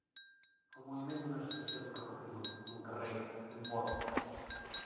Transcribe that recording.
El moviment d'una estació de ferrocarril, d'un carrer, d'un port.